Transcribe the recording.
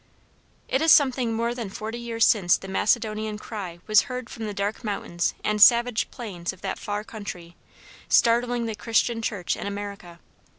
It is something more than forty years since the "Macedonian Cry" was heard from the dark mountains and savage plains of that far country, startling the Christian church in America.